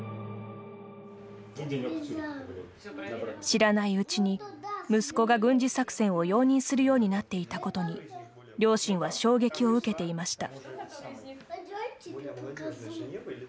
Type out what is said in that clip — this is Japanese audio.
知らないうちに息子が軍事作戦を容認するようになっていたことに両親は衝撃を受けていました。